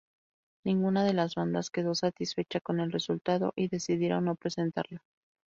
Ninguna de las bandas quedó satisfecha con el resultado y decidieron no presentarla.